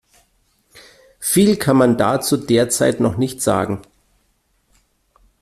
Viel kann man dazu derzeit noch nicht sagen.